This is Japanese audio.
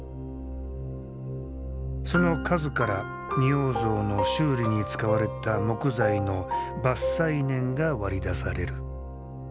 その数から仁王像の修理に使われた木材の伐採年が割り出される。